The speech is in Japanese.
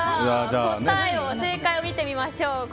正解を見てみましょう。